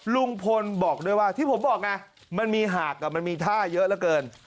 ลุงพลบอกด้วยว่าที่ผมบอกไงมันมีหากมันมีท่าเยอะเหลือเกิน